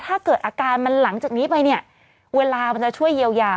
ถ้าเกิดอาการมันหลังจากนี้ไปเนี่ยเวลามันจะช่วยเยียวยา